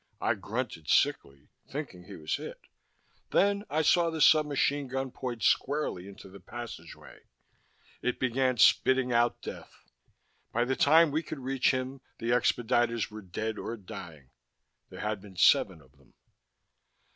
I grunted sickly, thinking he was hit. Then I saw the sub machine gun point squarely into the passageway. It began spitting out death. By the time we could reach him, the expediters were dead or dying. There had been seven of them.